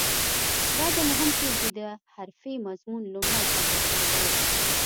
دا د نهم ټولګي د حرفې مضمون لومړی څپرکی دی.